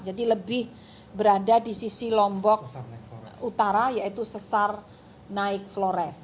jadi lebih berada di sisi lombok utara yaitu sesar naik flores